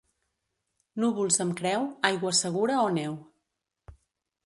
Núvols amb creu, aigua segura o neu.